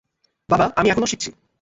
বাবা, আমি এখনও শিখছি।